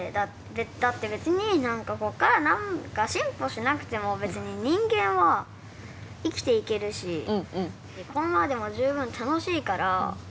だって別に何かこっから何か進歩しなくても別に人間は生きていけるしこのままでも十分楽しいから。